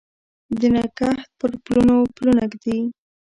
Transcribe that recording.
د نګهت پر پلونو پلونه ږدي